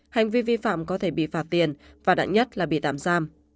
hành vi vi phạm có thể bị phạt tiền và đạn nhất là bị tạm giam